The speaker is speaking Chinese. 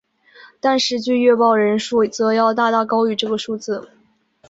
但实际阅报人数则要大大高于这个数字。